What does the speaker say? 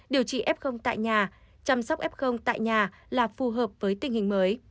điều trị f tại nhà chăm sóc f tại nhà là phù hợp với tình hình mới